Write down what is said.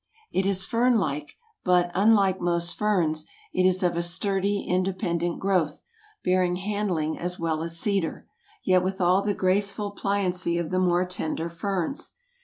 It is fern like; but, unlike most ferns, it is of a sturdy, independent growth, bearing handling as well as cedar, yet with all the graceful pliancy of the more tender ferns.